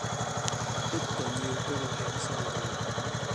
一定要多吃生菓